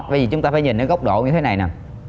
bởi vì chúng ta phải nhìn ở góc độ như thế này nè